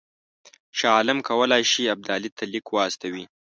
شاه عالم کولای شي ابدالي ته لیک واستوي.